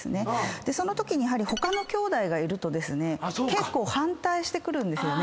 でそのときにやはり他のきょうだいがいるとですね結構反対してくるんですよね。